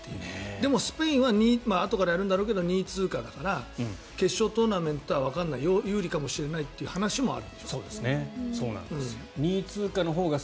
でも、スペインはあとからやるんだろうけど２位通過だから決勝トーナメントはわからない有利かもしれないという話もある。